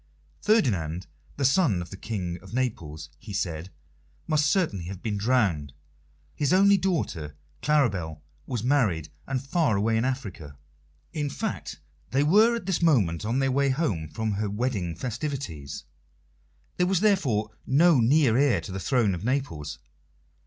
Ferdinand, the son of the King of Naples, he said, must certainly have been drowned, his only daughter, Claribel, was married, and far away in Africa in fact, they were at this moment on their way home from her wedding festivities there was therefore no near heir to the throne of Naples.